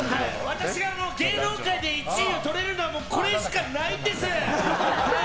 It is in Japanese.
私が芸能界で１位をとれるのはこれしかないんです！